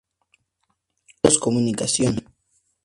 Paidós comunicación.